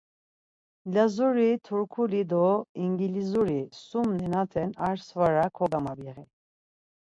Lazuri, Turkuli do İngilizuri sum nenaten ar svara kogamabiği.